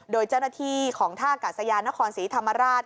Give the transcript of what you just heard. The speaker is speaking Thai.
โดยเจ้าหน้าที่ของท่ากาศยานนครศรีธรรมราช